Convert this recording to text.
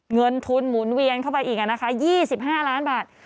เงินทุนหมุนเวียนเข้าไปอีก๒๕ล้านบาท